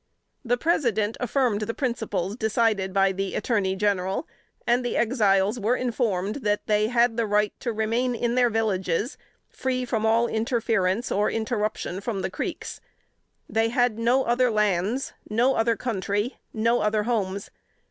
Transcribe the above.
The President affirmed the principles decided by the Attorney General, and the Exiles were informed that they had the right to remain in their villages, free from all interference, or interruption from the Creeks. They had no other lands, no other country, no other homes.